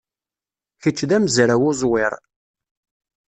Kečč d amezraw uẓwir.